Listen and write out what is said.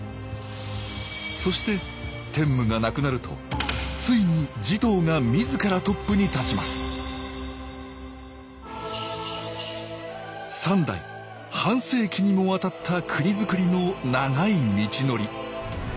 そして天武が亡くなるとついに持統が自らトップに立ちます三代半世紀にもわたった国づくりの長い道のり。